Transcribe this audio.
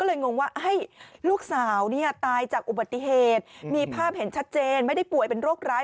งงว่าลูกสาวเนี่ยตายจากอุบัติเหตุมีภาพเห็นชัดเจนไม่ได้ป่วยเป็นโรคร้าย